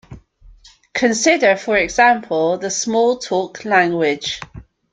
Consider for example the Smalltalk language.